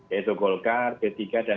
yaitu golkar p tiga dan